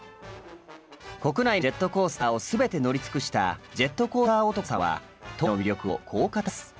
国内のジェットコースターを全て乗り尽くしたジェットコースター男さんは当時の魅力をこう語ります。